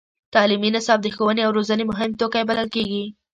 تعلیمي نصاب د ښوونې او روزنې مهم توکی بلل کېږي.